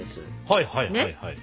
はいはいはい。